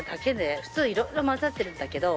普通いろいろ混ざってるんだけど。